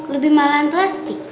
lebih malahan plastik